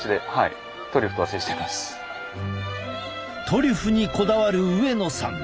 トリュフにこだわる上野さん。